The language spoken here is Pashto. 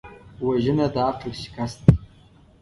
وژنه د عقل شکست دی